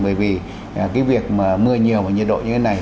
bởi vì cái việc mà mưa nhiều và nhiệt độ như thế này